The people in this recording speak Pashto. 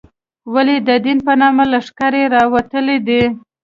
ولې د دین په نامه لښکرې راوتلې دي.